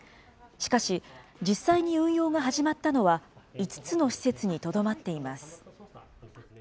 しかし、実際に運用が始まったのは５つの施設にとどまっています。